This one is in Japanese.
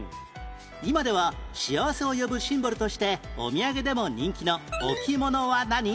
今では幸せを呼ぶシンボルとしてお土産でも人気の置物は何？